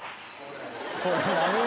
「これ何？」